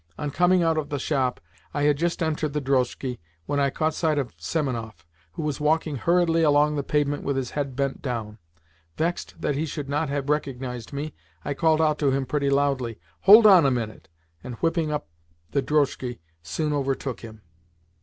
On coming out of the shop, I had just entered the drozhki when I caught sight of Semenoff, who was walking hurriedly along the pavement with his head bent down. Vexed that he should not have recognised me, I called out to him pretty loudly, "Hold on a minute!" and, whipping up the drozhki, soon overtook him.